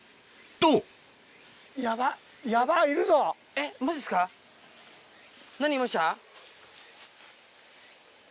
えっマジっすか何いました？